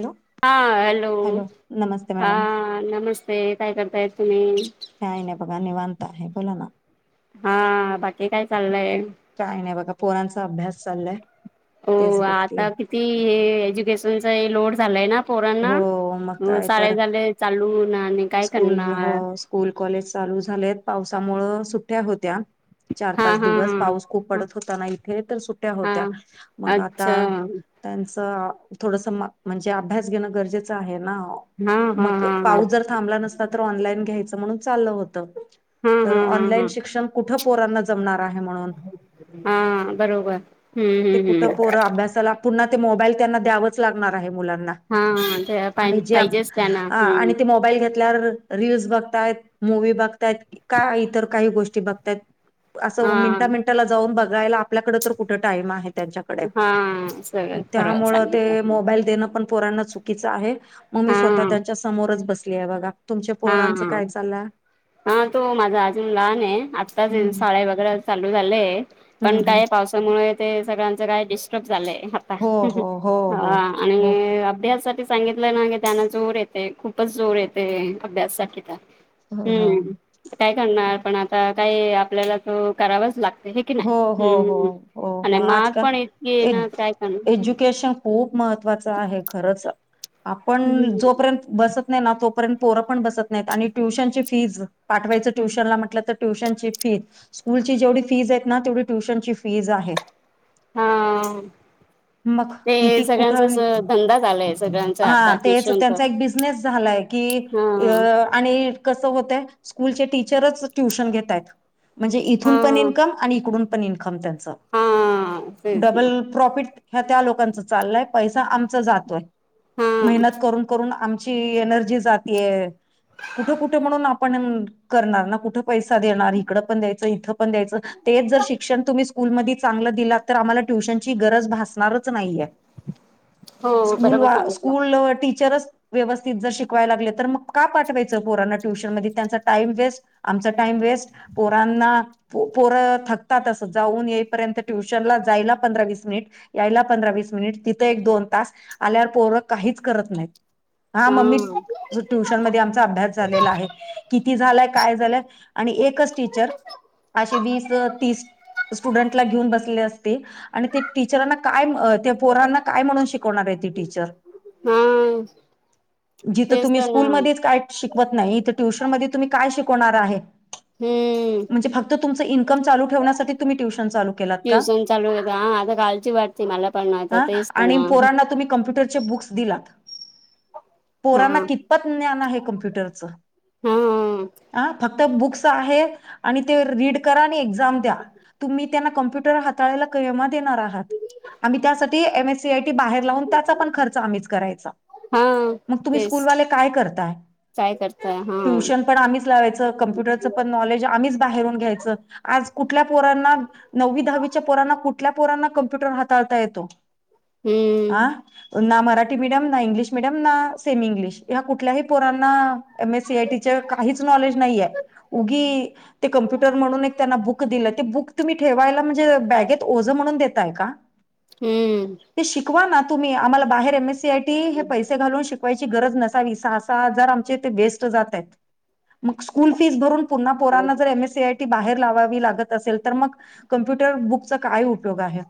Hello हा hello, नमस्ते हा मॅडम नमस्ते काय करताय तुम्ही. काय नाही बघा निवांत आहे बोला ना हा. बाकी काय? चाललंय. काय? नाही बघा. पोरांचा अभ्यास चाललाय. हो तेच बघतीय आता किती? हे एज्युकेशनचा लोड झालाय ना. पोरांना हो मग काय शाळे तर झाले चालू ना, आणि काय स्कूल हो करणार. स्कूल कॉलेज चालू झालेत, पावसामुळे सुट्ट्या होत्या. चार हा पाच हा दिवस पाऊस खूप हा ह पडत होता, ना इथे तर सुट्या होत्या. हा मग आता अच्छा. त्यांचं थोडस म्हणजे, अभ्यास घेणं गरजेचं आहे ना. हा हा मग हा हा पाऊस जर, थांबला नसता. ऑनलाइन घ्यायचं म्हणून चाललं होतं, हा तर हा हा ऑनलाईन हा शिक्षण कुठे पोरांना. जमणार आहे म्हणून, हा बरोबर हम्म ते हम्म कुठे हम्म पोर अभ्यासाला. पुन्हा ते मोबाईल त्यांना, द्यावच लागणार आहे मुलांना. हा ते आप. आणि जे आणि ते मोबाईल घेतल्यावर, रीलल्स बघताय मूवी बघता येत. का इतर काही, गोष्टी बघत्यात. असं हा मिनटा, मिनिटाला जाऊन बघायला. आपल्याकडे तर कुठं? टाईम आहे. त्यांच्याकडे, हा सगळं खरं त्यामुळे ते सांगितलं मोबाईल देणं पण. पोरांना चुकीच आहे मग मी, हा स्वतः त्यांच्या समोरच बसली आहे बघा. तुमच्या हा पोरांचं हा काय? चालां. हा. तो माझा अजून लहान आहे. आत्ताच. हम्म शाळे वगैरे चालू झालं आहे. हम्म पण हम्म काय पावसामुळे ते, सगळ्यांचं काय डिस्टर्ब झालंय. हो हो हो हो हां.. हो आणि अभ्यासाठी. सांगितलं ना त्यांना जोर येते, खूपच जोर येते अभ्याससाठी तर. हो हम्म. काय करणार पण आता, काही आपल्याला तो करावाच लागत. हे की हो नाही हो हो हम्म. हो आणि हो म्हाग पण आजकाल इेतकी ना काय करणार. एज्युकेशन खूप महत्त्वाच आहे. खरंच आपण जोपर्यंत बसतं. नाही तोपर्यंत पोर पण बसत नाहीत, आणि ट्युशन ची फीज पाठवायच ट्युशनला म्हटलं तर. ट्यूशनची फीज स्कूलची जेवढी फीज आहेत ना, तेवढी ट्युशनची फीज आहे. हा. मग ते किती कुठं सगळ्यांचाच आणि धंदाच झालंय, सगळ्यांचा हा आता तेच त्यांचा क्यूशनच. एक बिझनेस झालाय की अ आणि कसं होतंय स्कूलचे टीचरच ट्युशन घेतायत, म्हणजे इथून पण हा. इनकम. इकडून पण इन्कम त्याचं हा तेच ना डब्बल. प्रॉफिट ह्या त्या लोकांच चाललंय, पैसा आमचा जातोय हा मेहनत करून. करून आमची एनर्जी जातेय, कुठं कुठं म्हणून आपण करणार कुठं. पैसा देणार इकडं पण द्यायचं, इथं पण द्यायचं. तेच जर शिक्षण तुम्ही स्कूलमध्ये चांगलं दिला, तर आम्हाला ट्युशनची गरज भासणारच नाहीये. हो स्कूल बरोबर वा सांगितलं स्कूल टीचर्स. व्यवस्थित जर शिकवाय लागले तर, मग का पाठवायचं पोरांना ट्युशन मध्ये त्यांचा टाइम वेस्ट. आमचा टाईम वेस्ट, पोरांना पोरं. थकतात. असं जाऊन येईपर्यंत ट्युशनला जायला पंधरा, वीस मिनिट. यायला पंधरा वीस मिनिट तिथं, एक दोन तास आल्यावर पोरं काहीच करत नाहीत. हा. मम्मी ट्युशन मध्ये आमचा अभ्यास झालेला आहे. किती झालाय काय झालंय, आणि एकच टीचर अशी वीस. ती ट्यूडटला घेवून बसलेलं असते, आणि ती टिचर्सराना काय म्हणून. पोरांना काय म्हणून, शिकवणार आहे ती टीचर. हा जिथं तेच तुम्ही तर ना स्कूलमध्ये काय. शिकवत नाही तर ट्यूशन मध्ये, तुम्ही काय शिकवण आहे हम्म. तुम्ही फक्त. तुमंच इनकम चालू. जेवना साठी तुम्ही, ट्युशन चालू केलात का. ट्युशन चालू होता हा आता कालची वाटते मला पण आता तेच पण आणि पोरांना तुम्ही, कम्प्युटर चे बुक्स. दिला पोरांना हा. कितपत ज्ञान आहे. कम्प्युटरचं. हां. अं.. फक्त बुक्स आहे आणि ते रीड करा, आणि ए येझाम द्या तुम्ही. त्यांना कॉम्प्युटर हाताळायला केव्हा देणार आहात, आम्ही त्यासाठी [unintelligible] सीआयटी बाहेर लावून त्याचा पण, खर्च आम्हीच करायचा. हा मग तुम्ही स्कूलवाले काय करताय? करता हां. ट्यूशन पण आम्हीच लावायचं, कम्प्युटरचं पण नॉलेज आम्हीच बाहेरून घ्यायचं आज. कुठल्या पोरांना नववी दहावीच्या पोरांना कुठल्या, पोरांना कॉम्प्युटर हाताळता येतो. हां हम्म. ना मराठी. मराठी मिडियम ना, इंग्लिश मिडियम ना सेम इंग्लिश या कुठल्याही पोरांन. M S C I T काहीच नॉलेज नाही ये, उगी ते कम्प्युटर म्हणून एक त्यांना बुक. बुक दिलं ते बुक तुम्ही ठेवायला, म्हणजे बॅगेत ओझं म्हणून देताय का. हम्म. ते शिकवा ना तुम्ही आम्हाला बाहेर, एम एसी आयटी हे पैसे घालून शिक पैशाची गरज नसावी, सहा सहा हजार आमचे ते वेस्ट जातयात. मग स्कूल फीस भरून पुन्हा पोरांना जर, एमएसीआयटी बाहेर लावावी लाग [unintelligible] असेल तर, कम्प्युटर बुक चा काय? उपयोग. आहे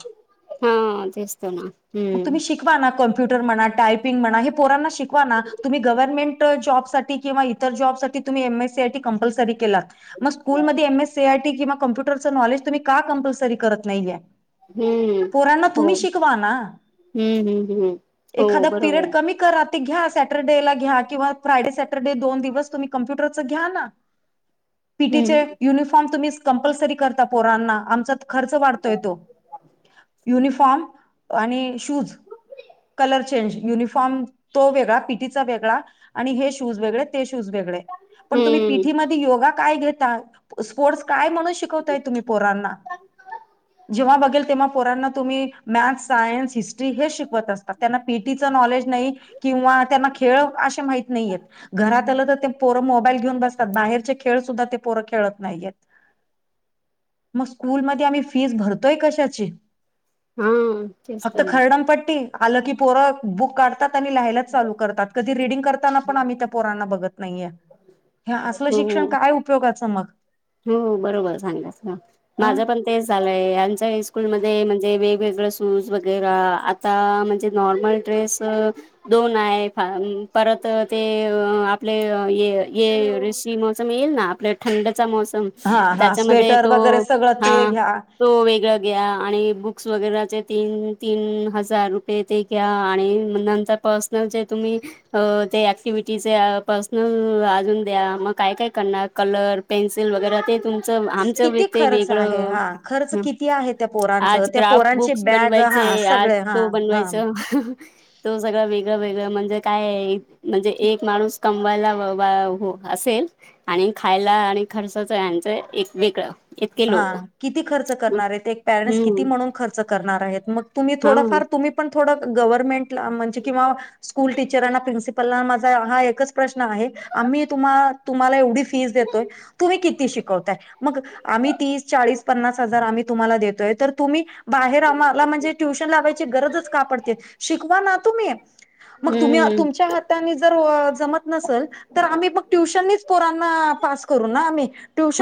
हां तेच तर, ना हम्म. शिकवाना कम्प्युटर म्हणा टायपिंग म्हणा, पोरांना शिकवा तुम्ही गव्हर्नमेंट जॉबसाठी किंवा. जॉबसाठी तुम्ही एससीआयटी कंपलसरी केलात, तर मग स्कूल मध्ये एससीआयटी किंवा कॉम्प्युट कॉम्प्युटरचं नॉलेज तुम्ही, का कंपल्सरी करत नाहीये. हम्म. पोरांना हो तुम्ही शिकवा ना, हम्म हम्म हम्म हो एखादं पिरियड बरोबर कमी. करा घ्या, सॅटरडेला घ्या किंवा, फ्रायडे सॅटरडे दोन दिवस तुमचं कॉम्प्युटरचं घ्याना. [inaudible] पीटीचे हम्म युनिफॉर्म तुम्ही, कंपल्सरी करता पोरांना आमचा खर्च वाढत. युनिफॉर्म आणि शूज. कलर चेंज युनिफॉर्म तो वेगळा, पी टी चा वेगळा आणि हे शूज वेगळे ते, शूज वेगळे. पण तुम्ही हम्म. पेटीमध्ये योगा काय घेता, स्पोर्ट्स काय म्हणून शिकवता. तुम्ही पोरांना. जेव्हा बघेल तेव्हा पोरांना तुम्ही, मॅथ्स सायन्स हिस्ट्री हे शिक त्यांना पेटीचे नॉलेज नाही किंवा, त्यांना खेळ अशी माहित नाही येत. घरात आलं तर ते पोरं मोबाईल घेऊन बसतात, बाहेरचे खेळ सुद्धा ते पोरं खेळत नाही येत. मग स्कूलमध्ये आम्ही फीस भरत [unintelligible] कशाची हा तेच तर फक्त ना कर्दमपट्टी आलं की पोरगं बुक काढतात. तात आणि लहायलाच चालू करतात कधी रीडिंग करताना पण आम्ही त्या पोरांना बघत नाहीये. हे असलं, हो शिक्षण काय उपयोगाचं मग. हो बरोबर सांगा, हा. माझं पण. ते झालंय आमच्यास्कूलमध्ये म्हणजे, वेगवेगळ शूज वगैर आता म्हणजे नॉर्मल. ड्रेस दोन आहे, परत ते आपले हे. येवरशी मोसम येईल ना, आपल्या थंडचा मोसम. हा हा तेच्यामध्ये स्वेटर तो, वगैरे सगळं ते हां.. घ्या. तो वेगळा. घ्या आणि बुक्स वगैरचे, तीन तीन हजार रुपये ते घ्या आणि नंतर पार्स ते जे तुम्ही. अ ते ऍक्टिव्हटीचे पर्सनल अजून द्या, मग काय काय करणार कलर. पेन्सिल वगैरे ते तुम आमचं किती तेन खर्च वेगळ, आहे हा खर्च किती आहे त्या पोरांचं आज त्या प्रॉक्स बुक पोरांची वेगळं. बॅग हा बनवायचंय ये, आज सगळे हा तो हा. बनवायचा. तो सगळं वेगळं, वेगळं म्हणजे काय आहे. म्हणजे एक माणूस कमवायला असेल. आणि खायला आणि, खर्चच आहे याचं, एक वेगळं. इतके हा लोक किती खर्च करणार आहेत, एक पॅरेंट्स हम्म किती म्हणून खर्च करणार आहेत मग, तुम्ही हा थोडंफार तुम्ही. पण म्हणजे गव्हर्मेंट ला किंवा, म्हणजे स्कूल टीचर ला प्रिन्सिप त्यांना माझा एक प्रश्न आहे, आणि आम्ही तुम्हाला एवढी फीज देतोय. तुम्ही किती शिकवताय मगं. आम्ही तीस चाळीस पन्नास हजार आम्ही तुम्हाला देतोय, तर तुम्ही बाहेर आम्हाला म्हणजे ट्यूशन लावायची. ची ही गरजच का पडते, शिकवा ना तुम्ही मग हम्म तुमचे हात त्यांनी जर जमत नसेल तर, आम्ही मग ट्युशननीच पोरांना पास करू ना आम्ही.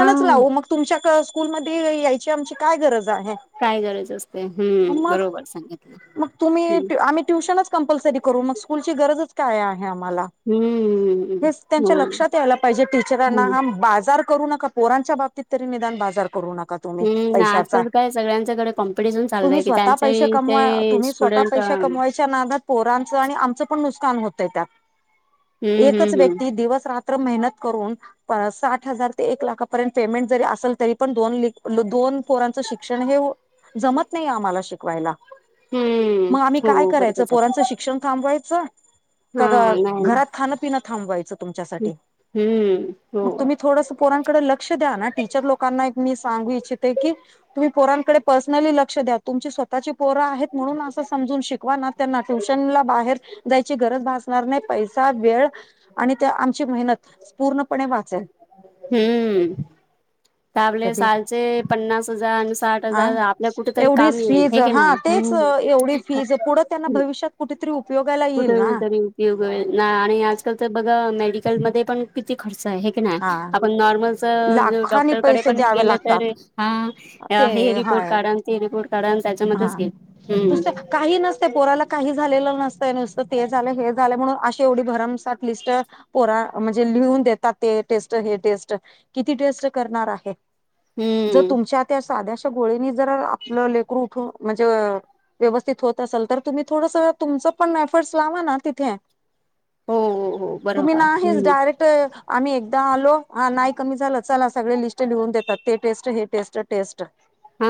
हा लावू मग तुमच्या, स्कूलमध्ये यायची आमची काय गरज आहे. काय गरज असते हम्म मग, बरोबर सांगितलं मग हम्म तुम्ही आम्ही ट्युशन चं. कंपल्सरी करू मग, स्कूलची गरजच काय आहे आम्हाला. हम्म हेच हो त्यांच्या लक्षात यायला पाहिजे, टीचर यांना हम्म हा बाजार. करू नका पोरांच्या बाबतीत तरी निदान बाजार करू नका. तुम्ही हम्म पैशाचा आजकाल काय सगळ्यांच्याकडे कॉम्पिटिशन तुम्ही चाललंय की स्वतः त्यांचे पैसे कमवा, ते तुम्ही स्वतः स्टुडंट पैसे हम्म कमवायचे. च्या नादात पोरांचं आणि आमचं, पण नुकसान होतंय एकच हम्म हम्म व्यक्ती दिवस रात्र. त्र मेहनत करून, साठ हजार ते एक लाखापर्यंत. पेमेंट जरी असल तरी पण, दोन दोन पोरांच शिक्षण हे. जमत नाही आम्हाला शिकवायला हम्म मग, आम्ही हो काय करायच बरोबरच आहे पोरांचं शिक क्षण थांबवायचं का हा नाही ना घरात खाण पिन थांबवायचं, तुमच्यासाठी हम्म हो मग तुम्ही. थोडंसं पोरांकडे लक्ष द्या ना, टीचर लोकांना एक मी सांगू इच्छिते की. तुम्ही पोरांकडे पर्सनली लक्ष द्या तुमची स्व त्याची पोरं आहेत म्हणून, असं समजून शिकवाना त्यांना ट्युशनला बाहेर. द्यायची गरज भासणार नाही पैसा वेळ आणि त्या आमची मेहनत पूर्णपणे वाचेल. हम्म त आपले कधी सालचे पन्नास हजार आणि साठ हा हजार आपल्या कुठेतरी एवढीच काम येईल फीज हे की हा नाही तेच हम्म एवढी फीज पुढं त्यांना भविष्यात कुठेतरी उपयोगाला येईल कुठे ना? [unintelligible] ना आणि आजकाल तर बघा मेडिकलमध्ये पण किती खर्च आहे हे की ना हा आपण नॉर्मलचा जो डॉक लाखानी कडे पैसे पण द्यावे गेले तर लागतात हा अ ते हे हा रिपोर्ट काढा आन ती रिपोर्ट काढा आन हा त्याच्यामध्येच घे हम्म. नुसतं काही नसते पोराला काही झालेलं नसतंय नुसतं ते झालं हे झालं म्हणून अशी एवढी भरमसाठ लिस्ट पोरा म्हणजे लिहून देतात ते टेस्ट हे टेस्ट किती टेस्ट करणार आहे. जर हम्म तुमच्या त्या साद्याशा गोळीनी जर आपलं लेकरू उठू म्हणजे व्यवस्थित होत असल तर तुम्ही थोडसा तुमचं पण इफोर्ट्स लावा ना तिथे. हो हो हो तुम्ही बरोबर ना हेच हम्म डायरेक् ठ आम्ही एकदा आलो हा नाही कमी झाला चला सगळे लिस्ट चे लिहून देतात ते टेस्ट हे टेस्ट टेस्ट हा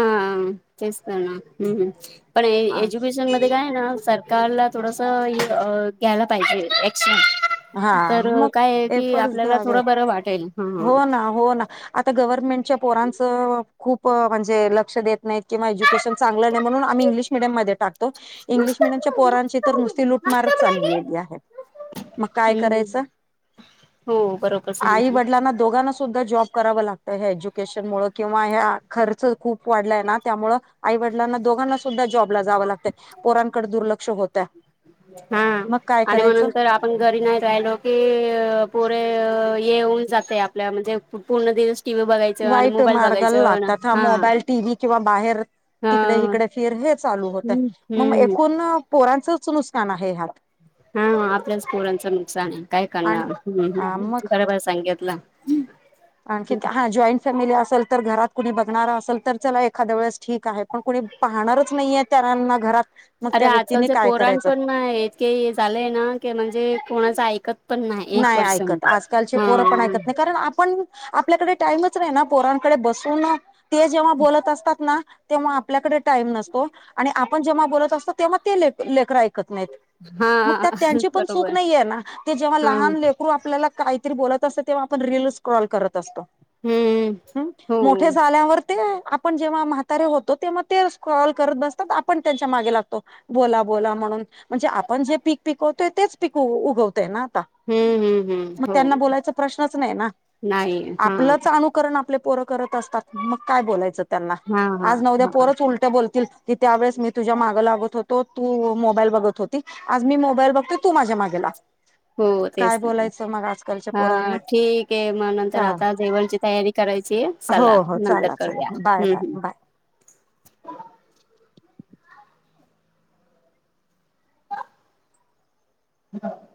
तेच तर ना हम्म हम्म पण ए एज्युकेशन म खरं हाय ना सरकारला थोडसं हे अ घ्यायला पाहिजे हा एक्शन. तर मग काय कि एफर्ट्स आपल्याला घ्यावेत थोडं बरं वाटेल हां हां. हो ना हो ना आता गव्हर्नमेंटच्या पोरांच खूप म्हणजे लक्ष देत नाहीत. किंवा एज्युकेशन चांगलं नाही म्हणून आम्ही इंग्लिश मिडयममध्ये टाकतो. इंग्लिश मिडियमच्या पोरांची तर नुसती लुटमारच चाललेली आहे. मग काय ह करायचं हो बरोबर आई सांगितलं वडिलांना दोघांना सुद्धा जॉब कराव लागतं एज्युकेशन ममुळं किंवा ह्या खर्च खूप वाढलाय ना त्यामुळे आई वडिलांना दोघांना सुद्धा जॉबला जावं लागतं पोरांकडे दुर्लक्ष होत्या. हा आणि म नंतर आ आपण घरी नाही राहिलो की पोरे येऊन जाते आप पल्या म्हणजे पूर्ण दिवस टी व्ही बघायचं आणि वाईट मोबाईल मार्गाला बघायचं लागतात, हा मोबाईल, टी व्ही किंवा बाहेर हा तिकडे हिकडे फिर हे चालू होत हम्म मंग हम्म एकूण पोरांचच नुसकान आहे ह्यात. हा हा आपल्याच पोरांचं नुकसान आहे काय आणि करणार हम्म हम्म बरोबर सांगितलं. आणखीत हा जॉईंट फॅमिली असेल तर घरात कुणी बघणार असेल तर चला एखाद्या वेळेस ठीक आहे पण कुणी पाहणारच नाहीये. तारांना घरात मग अरे त्या व्यक्तीने आजकालचे काय पोराण करायचं पण म हे इतकेय झालेय ना के म्हणजे कोणाचं ऐकत पण एक नाही ऐकत, पर्सेंट आजकालची पोरं पण ऐकत हा नाही. कारण आपण आपल्याकडे टाईमच नाही ना पोरांकडे बसून ते जेव्हा बोलत असतात ना तेव्हा आपल्याकडे टाईम नसतो आणि आपण जेव्हा बोलत असतो तेव्हा ते ले लेकरां ऐकत नाहीत. मग हा त्यात त्यांची पण चूक बरोबर नाही आहे ना ते जे हा लहान लेकरू आपल्याला काहीतरी बोलत असतं तेव्हा आपण रील क्रॉल करत असतो. हम्म हम्म हो मोठ्या झाल्यावर ते आपण जेव्हा म्हातारे होतो तेव्हा ते स्क्रॉल करत बसतात आपण त्यांच्या मागे लागतो. बोला बोला म्हणून म्हणजे आपण जे पीक पिकवतोय तेच पीक उगवतय ना हम्म हम्म हम्म म त्यांना हो बोलायचा प्रश्नच नाही ना नाही हा आपलंच अनु कारण आपले पोरं करत असतात मग काय बोलायचं त्यांला हा हा आज ना उद्या हा पोरचं उल त्या बोलतील की त्यावेेळेस मी तुझ्या मागं लागत होतो तू मोबाईल बघत होती. आज मी मोबाईल बघते, तू माझ्या मागे लाग. हो काय तेच ना बोलायचं मग आजकालच्या हा पोरांना ठीक आहे म नंतर चाल आता जेवणची तयारी करायची हो सल्ला हो नंतर चला चला करूया बाय हम्म बाय हम्म. बाय [unintelligible]